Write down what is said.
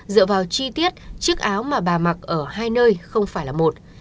dựa vào chi tiết chiếc áo mà bà mặc ở hai nơi không phải là một